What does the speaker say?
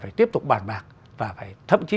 phải tiếp tục bàn mạc và thậm chí